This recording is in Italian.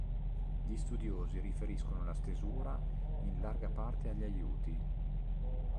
Gli studiosi riferiscono la stesura in larga parte agli aiuti.